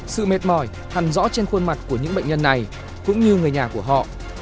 sự mệt mỏi hẳn rõ trên khuôn mặt của những bệnh nhân này cũng như người nhà của họ